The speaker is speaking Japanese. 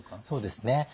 そうですね。